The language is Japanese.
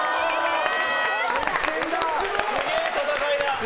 すげえ戦いだ！